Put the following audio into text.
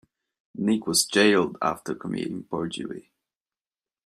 Nick was jailed after committing perjury